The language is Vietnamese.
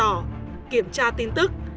hợi đã kiểm tra tin tức